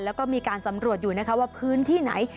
แล้วก็มีการสำรวจอยู่นะคะว่าพื้นที่ไหน